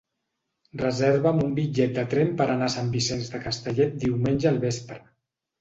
Reserva'm un bitllet de tren per anar a Sant Vicenç de Castellet diumenge al vespre.